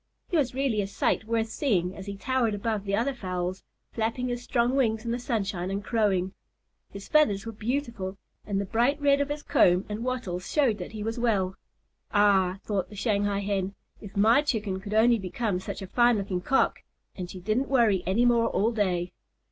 He was really a sight worth seeing as he towered above the other fowls, flapping his strong wings in the sunshine and crowing. His feathers were beautiful, and the bright red of his comb and wattles showed that he was well. "Ah," thought the Shanghai Hen, "if my Chicken could only become such a fine looking Cock!" And she didn't worry any more all day.